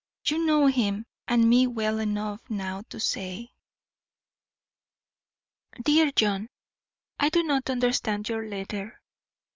You know him and me well enough now to say. DEAR JOHN: I do not understand your letter.